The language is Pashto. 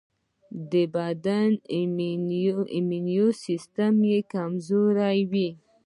بدن یې ایمني سيستم کمزوری وي.